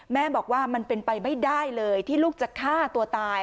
แม่บอกว่ามันเป็นไปไม่ได้เลยที่ลูกจะฆ่าตัวตาย